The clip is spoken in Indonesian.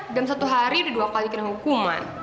udah satu hari udah dua kali kena hukuman